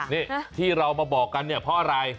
นี่ที่เรามาบอกกันเนี่ยเพราะอะไร